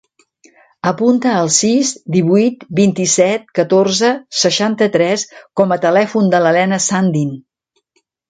Apunta el sis, divuit, vint-i-set, catorze, seixanta-tres com a telèfon de la Helena Sandin.